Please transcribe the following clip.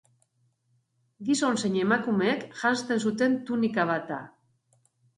Gizon zein emakumeek janzten zuten tunika bat da.